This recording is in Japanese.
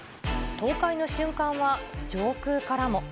崩壊の瞬間は上空からも。